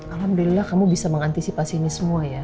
alhamdulillah kamu bisa mengantisipasi ini semua ya